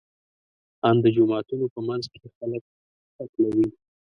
ان د جوماتونو په منځ کې خلک قتلوي.